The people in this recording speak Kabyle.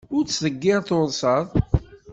Ur ttḍeggir tursaḍ!